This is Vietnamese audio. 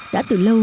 đã từ lâu